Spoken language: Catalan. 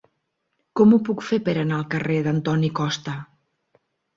Com ho puc fer per anar al carrer d'Antoni Costa?